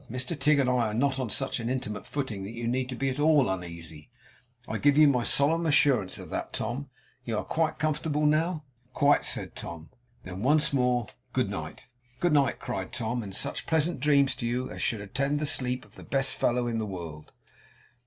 Mr Tigg and I are not on such an intimate footing that you need be at all uneasy, I give you my solemn assurance of that, Tom. You are quite comfortable now?' 'Quite,' said Tom. 'Then once more, good night!' 'Good night!' cried Tom; 'and such pleasant dreams to you as should attend the sleep of the best fellow in the world!